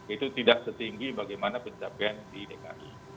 itu tidak setinggi bagaimana pencapaian di dki